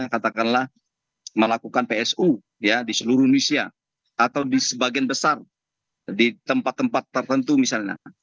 katakanlah melakukan psu di seluruh indonesia atau di sebagian besar di tempat tempat tertentu misalnya